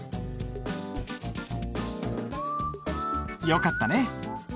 よかったね。